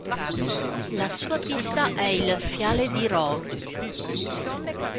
La sua pista è il "Fiale di Roo".